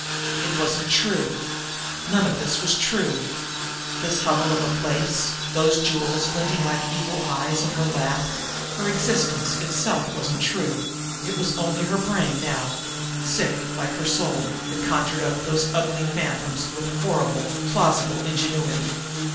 It wasn't true! None of this was true this hovel of a place, those jewels glinting like evil eyes in her lap; her existence itself wasn't true; it was only her brain now, sick like her soul, that conjured up these ugly phantoms with horrible, plausible ingenuity.